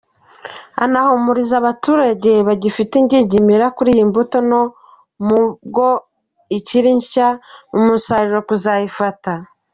Anahumuriza abaturage bagifite ingingimira kuri iyi mbuto ko n’ubwo ikiri nshya, umusaruro kuzayifata.